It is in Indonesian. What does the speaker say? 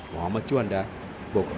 mohamad juanda bogor